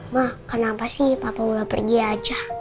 ma kenapa sih papa mau pergi aja